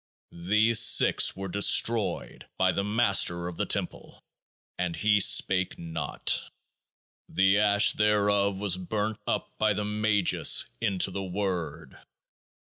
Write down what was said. These six were destroyed by the Master of the Temple ; and he spake not. The Ash thereof was burnt up by the Magus into The Word.